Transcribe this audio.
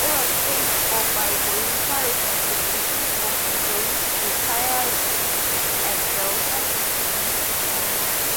It was paid for by voluntary contributions from employees, retirees and Delta's community partners.